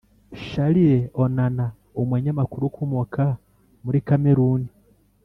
charles onana, umunyamakuru ukomoka muri kameruni,